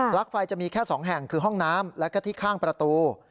ลั๊ไฟจะมีแค่๒แห่งคือห้องน้ำแล้วก็ที่ข้างประตู